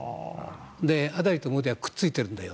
アダニとモディはくっついてるんだよ。